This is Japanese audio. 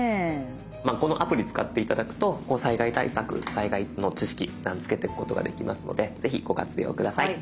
まあこのアプリ使って頂くと災害対策災害の知識つけてくことができますのでぜひご活用下さい。